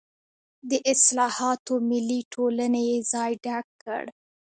د اصلاحاتو ملي ټولنې یې ځای ډک کړ.